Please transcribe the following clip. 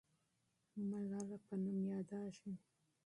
ملاله په نوم یادېږي.